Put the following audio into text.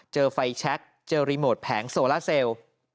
เจอไฟแชคเจอรีโมทแผงโซล่าเซล